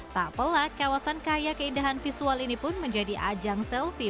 tak pelak kawasan kaya keindahan visual ini pun menjadi ajang selfie